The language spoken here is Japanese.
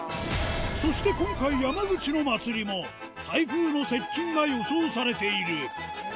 そして今回、山口の祭りも、台風の接近が予想されている。